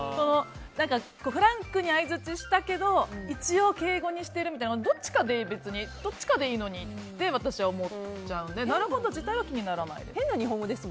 フランクに相づちしたけど一応、敬語にしているみたいなどっちかでいいのにって私は思っちゃうのでなるほど自体は気にならないです。